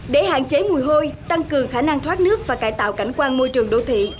để hạn chế mùi hôi tăng cường khả năng thoát nước và cải tạo cảnh quan môi trường đô thị